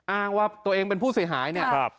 อ้างว่าตัวเองเป็นผู้เสียหายเนี่ย